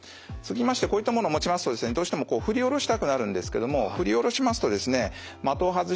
こういったものを持ちますとどうしてもこう振り下ろしたくなるんですけども振り下ろしますとですね的を外してしまったり